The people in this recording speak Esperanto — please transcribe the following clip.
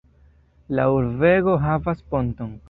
La urbego havas ponton.